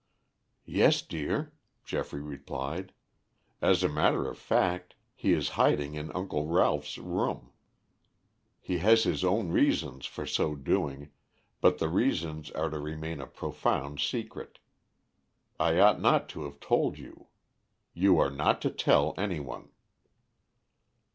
"Yes, dear," Geoffrey replied. "As a matter of fact, he is hiding in Uncle Ralph's room. He has his own reasons for so doing, but the reasons are to remain a profound secret. I ought not to have told you. You are not to tell any one."